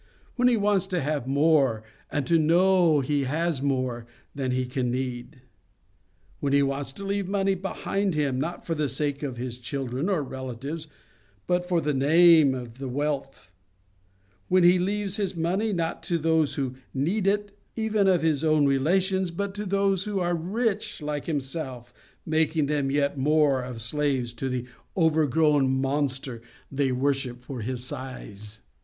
When he wants to have more, and to know he has more, than he can need. When he wants to leave money behind him, not for the sake of his children or relatives, but for the name of the wealth. When he leaves his money, not to those who NEED it, even of his relations, but to those who are rich like himself, making them yet more of slaves to the overgrown monster they worship for his size.